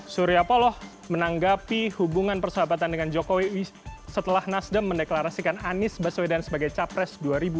surya paloh menanggapi hubungan persahabatan dengan jokowi setelah nasdem mendeklarasikan anies baswedan sebagai capres dua ribu dua puluh